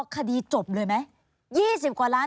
คดีจบเลยไหม๒๐กว่าล้าน